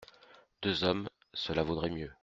Deux hommes, cela vaudrait mieux.